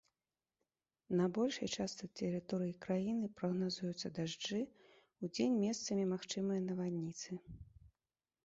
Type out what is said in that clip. На большай частцы тэрыторыі краіны прагназуюцца дажджы, удзень месцамі магчымыя навальніцы.